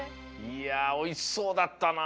いやおいしそうだったな。